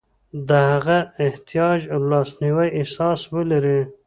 د هغه احتیاج او لاسنیوي احساس ولري.